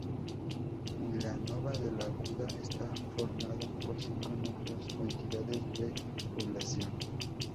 Vilanova de la Aguda está formado por cinco núcleos o entidades de población.